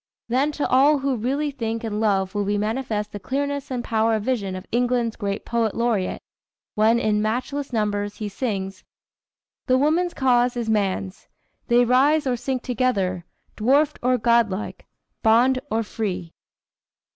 Then to all who really think and love will be manifest the clearness and power of vision of England's great poet laureate when in matchless numbers he sings: "The woman's cause is man's; they rise or sink Together, dwarfed or godlike, bond or free.